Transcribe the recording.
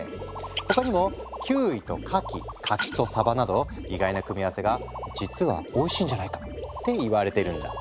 他にもキウイとかき柿とサバなど意外な組み合わせが実はおいしいんじゃないかって言われてるんだ。